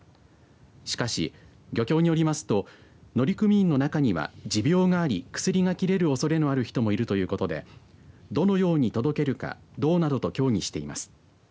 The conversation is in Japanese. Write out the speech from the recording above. しかし、漁協によりますと乗組員の中には持病があり薬が切れるおそれのある人もいるということでどのように届けるか道などと協議しています。